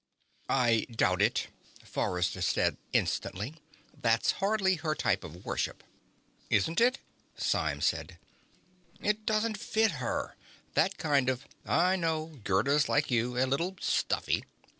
"I doubt it," Forrester said instantly. "That's hardly her type of worship." "Isn't it?" Symes said. "It doesn't fit her. That kind of " "I know. Gerda's like you. A little stuffy."